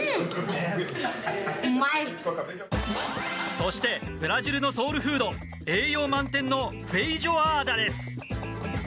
そしてブラジルのソウルフード栄養満点のフェイジョアーダです。